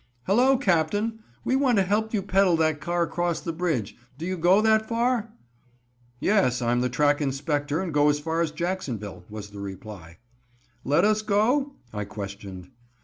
"Hello, captain! we want to help you peddle that car across the bridge. Do you go that far?" "Yes, I'm the track inspector, and go as far as Jacksonville," was the reply. "Let us go?" I questioned.